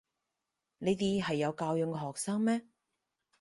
呢啲係有教養嘅學生咩？